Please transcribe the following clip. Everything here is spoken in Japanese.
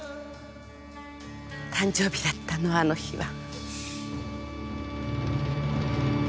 誕生日だったのあの日は。